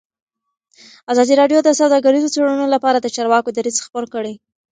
ازادي راډیو د سوداګریز تړونونه لپاره د چارواکو دریځ خپور کړی.